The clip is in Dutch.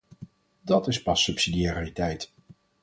Dat is pas subsidiariteit.